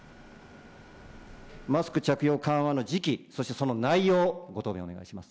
マスク着用緩和の時期、そしてその内容、ご答弁お願いします。